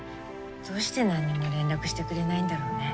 どうして何にも連絡してくれないんだろうね。